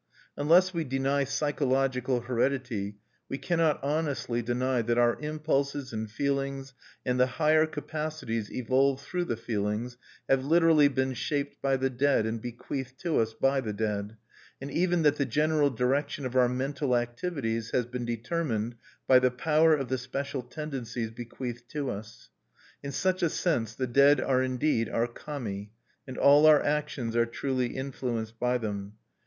Unless we deny psychological heredity, we cannot honestly deny that our impulses and feelings, and the higher capacities evolved through the feelings, have literally been shaped by the dead, and bequeathed to us by the dead; and even that the general direction of our mental activities has been determined by the power of the special tendencies bequeathed to us. In such a sense the dead are indeed our Kami and all our actions are truly influenced by them.